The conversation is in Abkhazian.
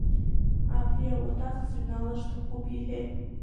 Абри ауаҭах сыҩналар сҭахуп, — иҳәеит.